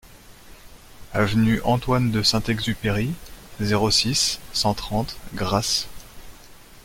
Avenue Antoine de Saint-Exupéry, zéro six, cent trente Grasse